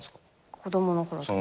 子供の頃とか？